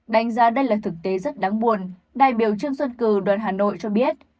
đánh giá đây là thực tế rất đáng buồn đại biểu trương xuân cử đoàn hà nội cho biết